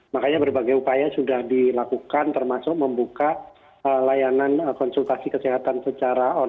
makanya berbagai upaya sudah dilakukan termasuk membuka layanan konsultasi kesehatan secara online